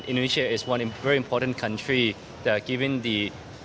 indonesia adalah negara yang sangat penting